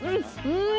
うん！